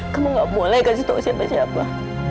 kamu gak boleh kasih tahu siapa siapa